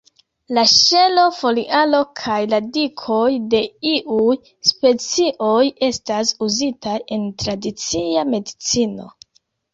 La ŝelo, foliaro kaj radikoj de iuj specioj estas uzitaj en tradicia medicino.